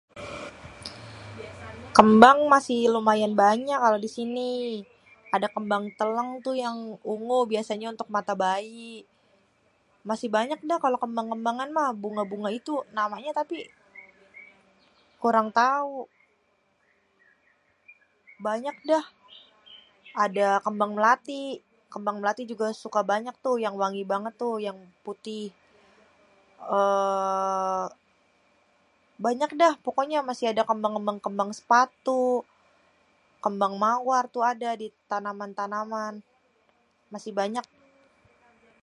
Kembang masih lumayan banyak kalo di sini. Ada kembang teleng tuh yang ungu biasanya buat mata bayi. Masih banyak dah kalo kembang-kembangan mah, bunga-bunga itu namanya tapi kurang tau. Banyak dah, ada kembang melati. Kembang melati juga suka banyak tuh yang wangi banget tuh yang putih. êê Banyak dah. Pokoknya masih ada kembang sepatu. Kembang mawar tu ada di tanaman-tanaman. Masih banyak.